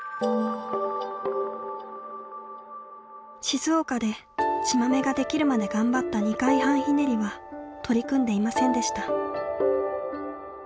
静岡で血まめができるまで頑張った２回半ひねりは取り組んでいませんでした。